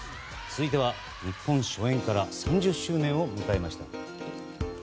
続いては、日本初演から３０周年を迎えました。